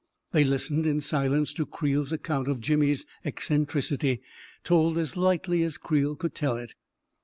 They listened in silence to Creel's account of Jimmy's eccentricity, told as lightly as Creel could tell it.